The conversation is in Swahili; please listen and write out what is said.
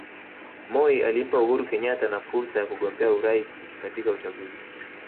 Moi alimpa Uhuru Kenyatta na fursa ya kugombea urais katika uchaguzi